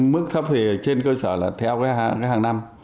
mức thấp thì trên cơ sở là theo cái hàng năm